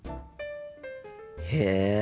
へえ。